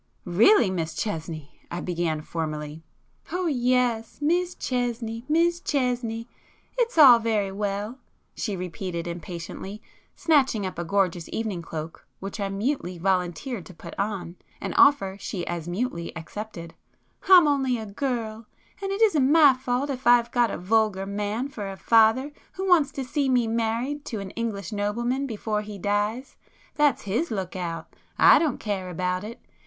"Really, Miss Chesney," I began formally. "Oh yes, Miss Chesney, Miss Chesney—it's all very well!" she repeated impatiently, snatching up a gorgeous evening cloak which I mutely volunteered to put on, an offer she as mutely accepted—"I'm only a girl, and it isn't my fault if I've got a vulgar man for a father who wants to see me married to an English nobleman before he dies,—that's his look out—I don't care about it.